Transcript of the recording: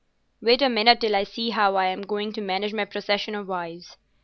"Wait a minute till I see how I am going to manage my procession of wives.